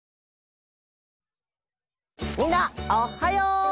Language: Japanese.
みんなおっはよう！